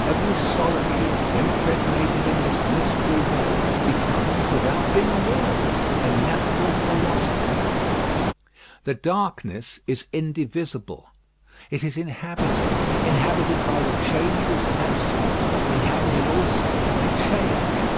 Every solitary, impregnated in this mysterious way, becomes, without being aware of it, a natural philosopher. The darkness is indivisible. It is inhabited. Inhabited by the changeless absolute; inhabited also by change.